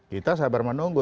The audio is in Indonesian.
kita sabar menunggu